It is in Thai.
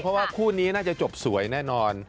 เพราะว่าคู่นี้น่าจะจบสวยแน่นอน